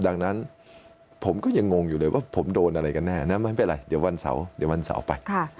ดังนั้นผมก็ยังงงอยู่เลยว่าผมโดนอะไรกันแน่นะไม่เป็นไรเดี๋ยววันเสาร์เดี๋ยววันเสาร์ไป